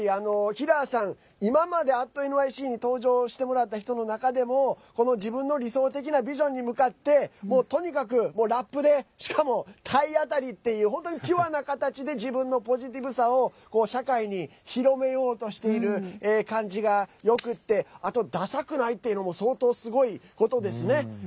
ヒラーさん今まで「＠ｎｙｃ」に登場してもらった人の中でもこの自分の理想的なビジョンに向かってとにかくラップでしかも体当たりっていう本当にピュアな形で自分のポジティブさを社会に広めようとしている感じがよくてあとダサくないっていうのも相当すごいことですね。